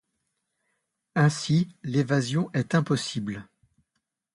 Ainsi l’évasion est impossible.